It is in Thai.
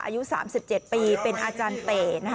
อายุ๓๗ปีเป็นอาจารย์เต๋